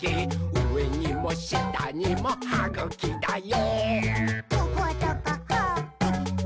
うえにもしたにもはぐきだよ！」